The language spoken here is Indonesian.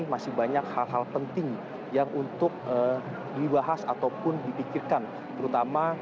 masih banyak hal hal penting yang untuk dibahas ataupun dipikirkan terutama